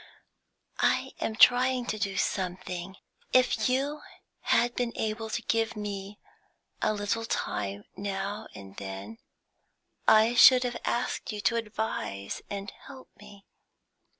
"I am trying to do something. If you had been able to give me a little time now and then, I should have asked you to advise and help me.